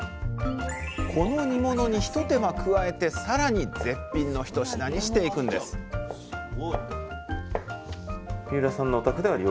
この煮物にひと手間加えてさらに絶品の一品にしていくんです出ます。